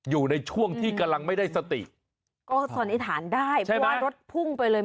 อยู่ในช่วงที่กำลังไม่ได้สติก็สันนิษฐานได้เพราะว่ารถพุ่งไปเลย